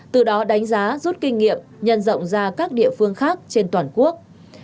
từ đó đánh giá rút kinh nghiệm nhân rộng ra các địa phương khác trên toàn quốc